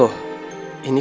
tapi habis itu